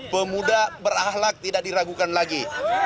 pemuda berahlak tidak diragukan lagi